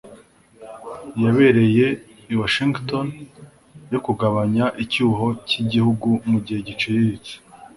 yabereye i Washington yo kugabanya icyuho cy'igihugu mu gihe giciriritse